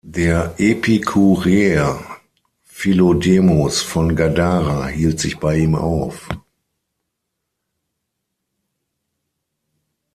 Der Epikureer Philodemos von Gadara hielt sich bei ihm auf.